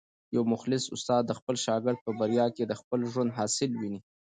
یو مخلص استاد د خپل شاګرد په بریا کي د خپل ژوند حاصل ویني.